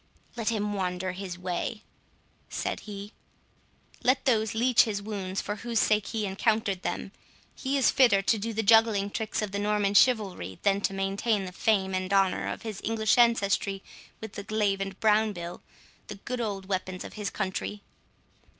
"Let him wander his way," said he—"let those leech his wounds for whose sake he encountered them. He is fitter to do the juggling tricks of the Norman chivalry than to maintain the fame and honour of his English ancestry with the glaive and brown bill, the good old weapons of his country."